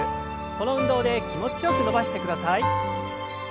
この運動で気持ちよく伸ばしてください。